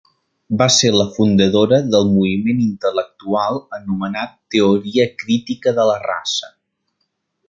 Va ser la fundadora del moviment intel·lectual anomenat Teoria Crítica de la Raça.